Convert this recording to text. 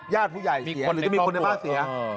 ญาติผู้ใหญ่เสียหรือจะมีคนในบ้านเสีย